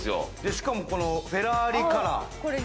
しかもフェラーリカラー。